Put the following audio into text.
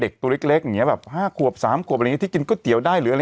คนเขาเริ่มไปพูดถึง